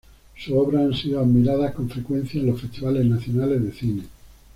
Sus obras han sido admiradas con frecuencia en los festivales nacionales de cine.